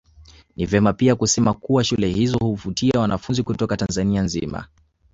Ni vema pia kusema kuwa shule hizo huvutia wanafunzi kutoka Tanzania nzima